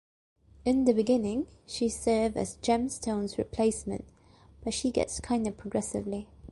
In the beginning, she served as Gem Stone's replacement, but she gets kinder progressively.